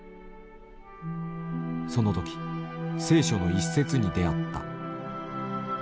その時聖書の１節に出会った。